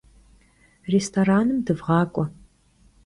Rêstoranım dıvğak'ue.